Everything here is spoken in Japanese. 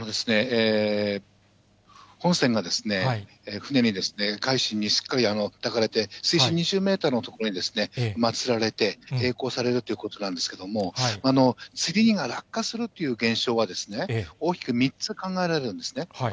本船が船に、海進にしっかり抱かれて、水深２０メートルの所につられてえい航されるということなんですけれども、つり荷が落下するという現象は大きく３つ考えられるんですね。